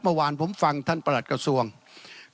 เมื่อวานผมฟังท่านประหลัดกระทรวง